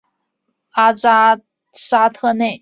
阿扎沙特内。